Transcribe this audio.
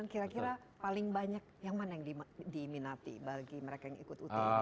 kira kira paling banyak yang mana yang diminati bagi mereka yang ikut ut